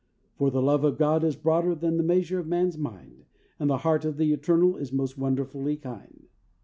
"For the love of God is broader Than the measure of man's mind, And the heart of the Eternal Is most wonderfully kind."